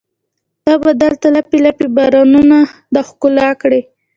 ته به دلته لپې، لپې بارانونه د ښکلا کړي